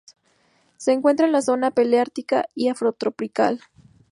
Se encuentra en la zona paleártica y afrotropical.